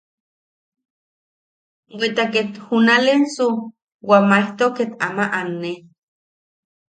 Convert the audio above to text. Bweta ket junalensu wa maejto ket ama anne.